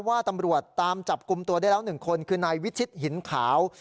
ว่าตำรวจตามจับกลุ่มตัวได้แล้ว๑คนคือนายวิชิตหินขาว